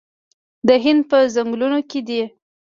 د هند په ځنګلونو کې دي